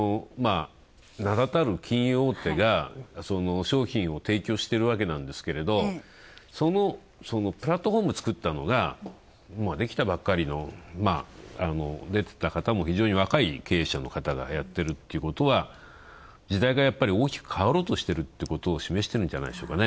名だたる金融大手が商品を提供してるわけなんですけれどそのプラットホームを作ったのができたばかりの、出てた方も非常に若い経営者の方がやってるってことは時代がやっぱり大きく変わろうとしていることを示してるんじゃないでしょうかね。